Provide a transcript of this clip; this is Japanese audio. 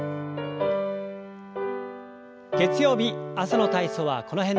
月曜日朝の体操はこの辺で。